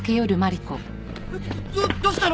どどうしたの！？